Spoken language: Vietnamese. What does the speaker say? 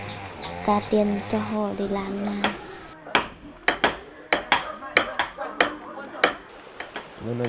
cho cả tiền cho họ để làm nhà